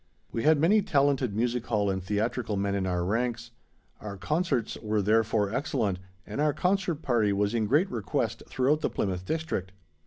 We had many talented music hall and theatrical men in our ranks; our concerts were, therefore, excellent, and our concert party was in great request throughout the Plymouth district.